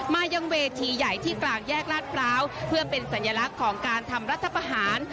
มายังเวทีใหญ่ที่กลางแยกลาดพร้าวเพื่อเป็นสัญลักษณ์ของการทำรัฐประหาร